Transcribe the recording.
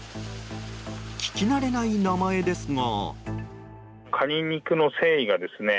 聞き慣れない名前ですが。